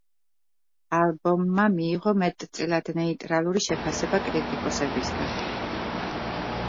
ალბომმა მიიღო მეტწილად ნეიტრალური შეფასება კრიტიკოსებისგან.